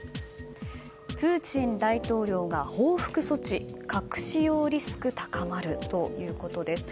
プーチン大統領が報復措置核使用リスク高まるです。